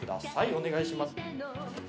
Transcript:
お願いします。